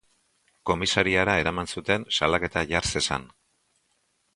Komisariara eraman zuten, salaketa jar zezan.